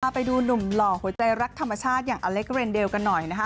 ไปดูหนุ่มหล่อหัวใจรักธรรมชาติอย่างอเล็กเรนเดลกันหน่อยนะคะ